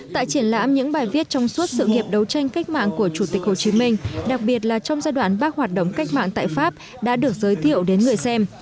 tại triển lãm những bài viết trong suốt sự nghiệp đấu tranh cách mạng của chủ tịch hồ chí minh đặc biệt là trong giai đoạn bác hoạt động cách mạng tại pháp đã được giới thiệu đến người xem